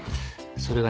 それが新・